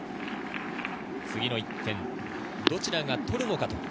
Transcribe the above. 次の１点どちらが取るのか。